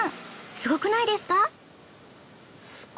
すごくないですか？